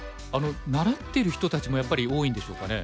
習ってる人たちもやっぱり多いんでしょうかね。